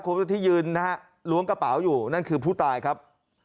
คนที่ยืนนะฮะล้วงกระเป๋าอยู่นั่นคือผู้ตายครับ